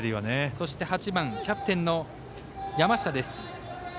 そして、８番キャプテンの山下です。